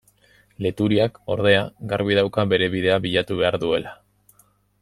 Leturiak, ordea, garbi dauka bere bidea bilatu behar duela.